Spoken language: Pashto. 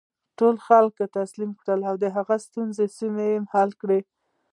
ټول خلک تسلیم کړي او د هغې سیمې ستونزې حل کړي.